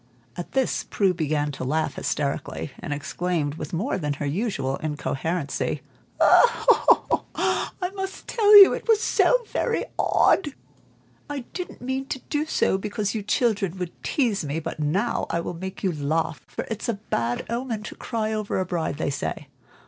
At this Prue began to laugh hysterically, and exclaimed, with more than her usual incoherency "I must tell you, it was so very odd! I didn't mean to do so, because you children would tease me; but now I will to make you laugh, for it's a bad omen to cry over a bride, they say.